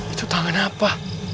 itu tangannya apa